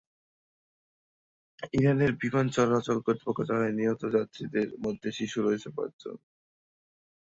ইরানের বিমান চলাচল কর্তৃপক্ষ জানায়, নিহত যাত্রীদের মধ্যে শিশু রয়েছে পাঁচজন।